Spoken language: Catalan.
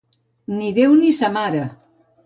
Ni Déu ni sa mare!